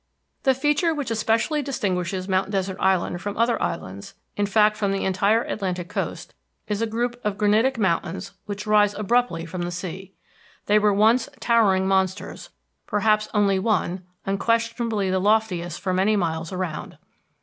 Photograph taken at low tide; Lafayette National Park] The feature which especially distinguishes Mount Desert Island from other islands, in fact from the entire Atlantic coast, is a group of granitic mountains which rise abruptly from the sea. They were once towering monsters, perhaps only one, unquestionably the loftiest for many miles around.